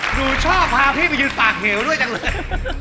หนูชอบพาพี่ไปยืนปากเหวด้วยจังเลย